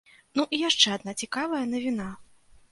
Ну і яшчэ адна цікавая навіна.